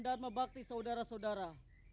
dharma bakti saudara saudara